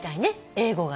英語がね。